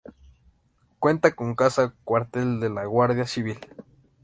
Cuenta con Casa Cuartel de la Guardia Civil.